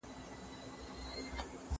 واصله ته په داسي زمانه کي یې روان